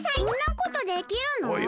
そんなことできるの？